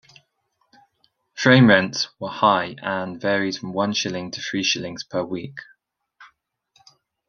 Frame rents were high and varied from one shilling to three shillings per week.